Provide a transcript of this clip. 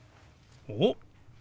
おっ！